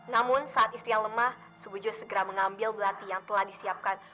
namun saat istia lemah subuju segera mengambil belati yang telah disiapkan